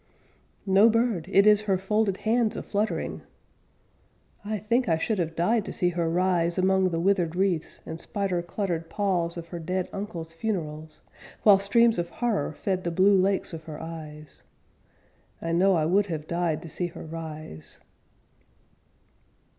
No bird it is her folded hands a fluttering! I think I should have died to see her rise Among the withered wreaths And spider cluttered palls Of her dead uncles' funerals, While streams of horror fed the blue lakes of her eyes. I known I would have died to see her rise.